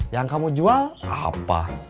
yang kamu jual apa